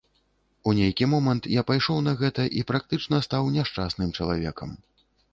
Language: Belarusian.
У нейкі момант я пайшоў на гэта і практычна стаў няшчасным чалавекам.